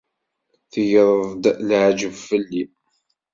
Tegreḍ-d leεǧeb fell-i.